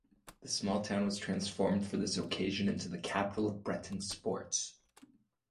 The small town was transformed for this occasion into the capital of Breton Sports.